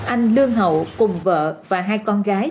anh lương hậu cùng vợ và hai con gái